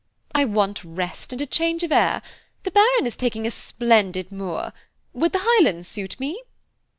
I want rest, and change of air. The Baron is taking a splendid moor. Would the Highlands suit me?"